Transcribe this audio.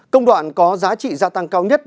công đoạn có giá trị gia tăng cao nhất